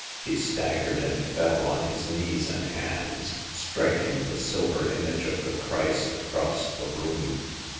He staggered and fell on his knees and hands, striking the silver image of the Christ across the room.